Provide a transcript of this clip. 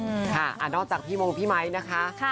เพราะว่าใจแอบในเจ้า